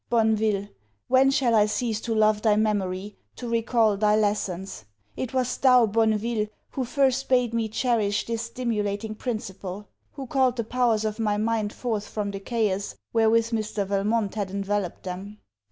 Bonneville, when shall I cease to love thy memory, to recal thy lessons? It was thou, Bonneville, who first bade me cherish this stimulating principle; who called the powers of my mind forth from the chaos, wherewith Mr. Valmont had enveloped them.